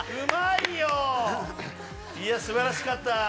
いや、すばらしかった。